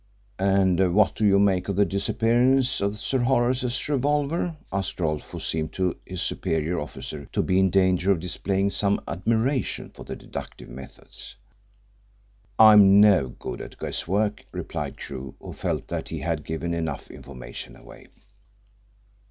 "And what do you make of the disappearance of Sir Horace's revolver?" asked Rolfe, who seemed to his superior officer to be in danger of displaying some admiration for deductive methods. "I'm no good at guess work," replied Crewe, who felt that he had given enough information away.